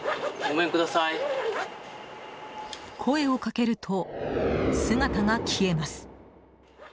声をかけると、姿が消えます。